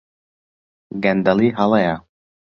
گەندەڵی هەڵەیە.